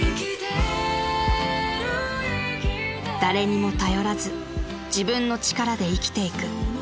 ［誰にも頼らず自分の力で生きていく］